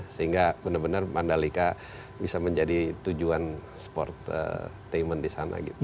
sehingga benar benar mandalika bisa menjadi tujuan sport tayment di sana gitu